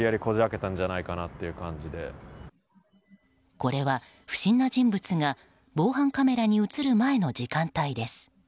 これは不審な人物が防犯カメラに映る前の時間帯です。